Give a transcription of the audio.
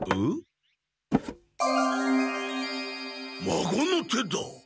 まごの手だ！